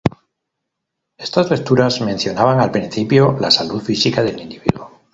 Estas lecturas mencionaban, al principio, la salud física del individuo.